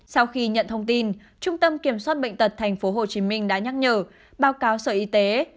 sau khi nhận thông tin trung tâm kiểm soát bệnh tật tp hcm đã nhắc nhở báo cáo sở y tế